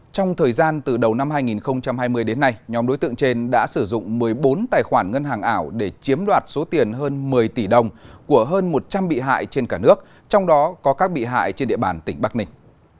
trong thời gian từ đầu năm hai nghìn hai mươi đến nay nhóm đối tượng trên đã sử dụng một mươi bốn tài khoản ngân hàng ảo để chiếm đoạt số tiền hơn một mươi tỷ đồng của hơn một trăm linh bị hại trên cả nước trong đó có các bị hại trên địa bàn tỉnh bắc ninh